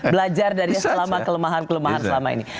belajar dari selama kelemahan kelemahan selama ini